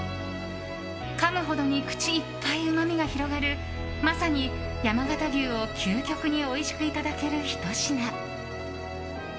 かむほどに口いっぱいうまみが広がるまさに山形牛を究極においしくいただけるひと品。